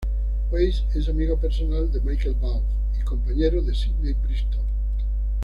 Weiss es amigo personal de Michael Vaughn y compañero de Sydney Bristow.